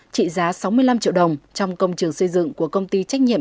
trị giá sáu mươi năm triệu đồng trong công trường xây dựng của công ty trách nhiệm